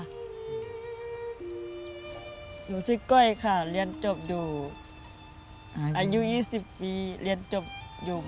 หนูชื่อก้อยค่ะเรียนจบอยู่อายุ๒๐ปีเรียนจบอยู่